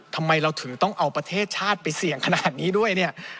ทำไมเราถึงต้องเอาประเทศชาติไปเสี่ยงขนาดนี้ด้วยเนี่ย